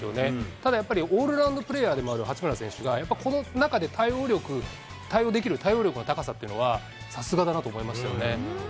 ただやっぱり、オールラウンドプレーヤーでもある八村選手が、やっぱりこの中で対応力、対応できる対応力の高さっていうのは、さすがだなと思いましたね。